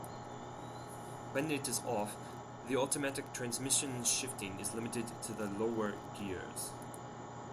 When it is off, the automatic transmission shifting is limited to the lower gears.